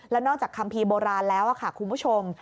แล้วนอกจากคัมภีร์โบราณแล้วค่ะคุณผู้ชม